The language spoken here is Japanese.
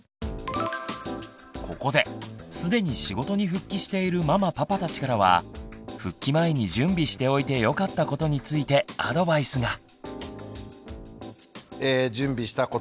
ここですでに仕事に復帰しているママパパたちからは復帰前に準備しておいてよかったことについてアドバイスが。え準備したこと。